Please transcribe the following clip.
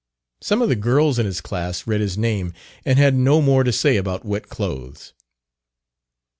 Some of the girls in his class read his name, and had no more to say about wet clothes.